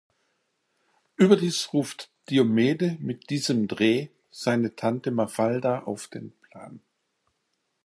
Überdies ruft Diomede mit diesem Dreh seine Tante "Mafalda" auf den Plan.